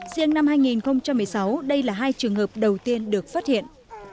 riêng năm hai nghìn một mươi sáu đây là hai trường hợp đầu tiên được phát hiện